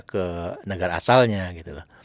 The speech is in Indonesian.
ke negara asalnya gitu loh